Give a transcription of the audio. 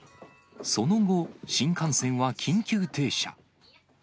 その後、新幹線は緊急停車。